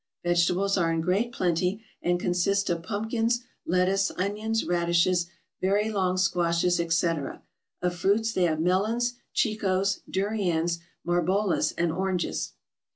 Vegetables are in great plenty, and consist of pumpkins, lettuce, onions, radishes, very long squashes, etc.; of fruits they have melons, chicos, durians, marbolas, and oranges.